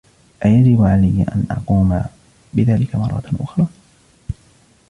أيجب علي أن أقوم بذلك مرة أخرى ؟